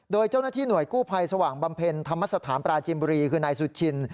โดยเจ้าหน้าที่หน่วยกู้ภัยสว่างบำเพ็ญธรรมสถานปราจินบุรีคือนายสุชิน